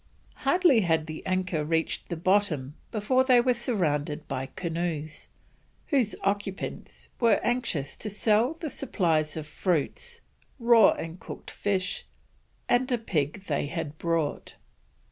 Hardly had the anchor reached the bottom, before they were surrounded by canoes, whose occupants were anxious to sell the supplies of fruits, raw and cooked fish, and a pig they had brought.